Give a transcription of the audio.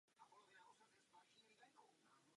V horní části obce je poutní místo "Marie chráněná".